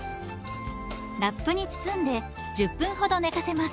ラップに包んで１０分ほど寝かせます。